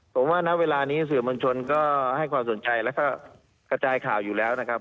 ผมว่าณเวลานี้สื่อมวลชนก็ให้ความสนใจแล้วก็กระจายข่าวอยู่แล้วนะครับ